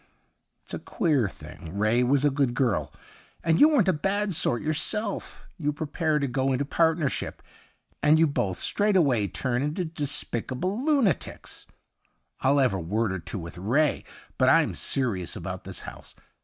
' It's a queer thing : Ray was a good girl, and you weren't a bad sort yourself. You prepare to go into partnership, and you both straightway turn into despicable lunatics. I'll have a word or two with Ray. But I'm serious about this house.